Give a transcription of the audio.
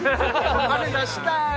・金出したい。